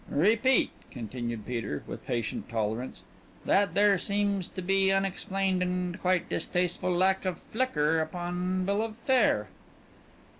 "Repeat," continued Peter, with patient tolerance, "that there seems to be unexplained and quite distasteful lack of liquor upon bill of fare."